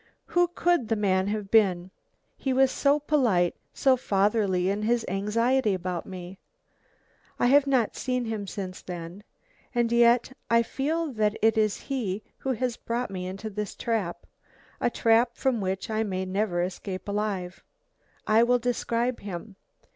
"Who could the man have been? He was so polite, so fatherly in his anxiety about me. I have not seen him since then. And yet I feel that it is he who has brought me into this trap, a trap from which I may never escape alive. I will describe him.